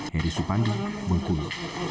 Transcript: heri supandu bengkulu